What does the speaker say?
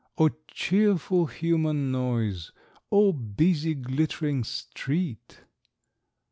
O cheerful human noise, O busy glittering street!